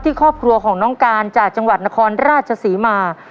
ครอบครัวของน้องการจากจังหวัดนครราชศรีมา